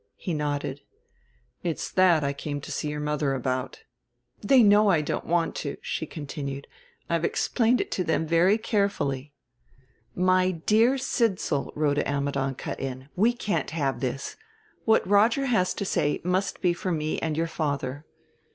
He nodded, "It's that I came to see your mother about." "They know I don't want to," she continued; "I've explained it to them very carefully." "My dear Sidsall," Rhoda Ammidon cut in; "we can't have this. What Roger has to say must be for me and your father."